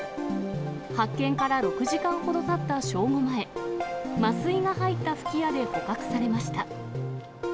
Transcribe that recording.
発見から６時間ほどたった正午前、麻酔が入った吹き矢で捕獲されました。